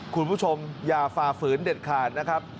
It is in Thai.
คุณผู้ชมอย่าฝ่าฝืนเด็ดขาดนะครับ